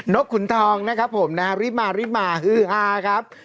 นกขุนทองละครับผมรีบมาฮือฮาครับ